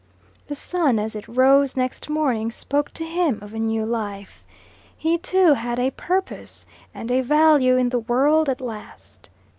The sun as it rose next morning spoke to him of a new life. He too had a purpose and a value in the world at last.